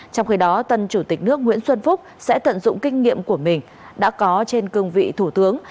trong khi đó tân chủ tịch nước nguyễn xuân phúc sẽ tận dụng kinh nghiệm của mình đã có trên cương vị thủ tướng